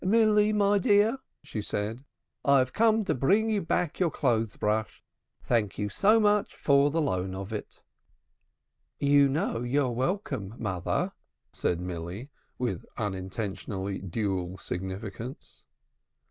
"Milly, my dear," she said. "I have come to bring you back your clothes brush. Thank you so much for the loan of it." "You know you're welcome, mother," said Milly, with unintentionally dual significance.